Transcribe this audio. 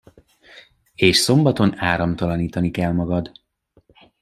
És szombaton áramtalanítani kell magad.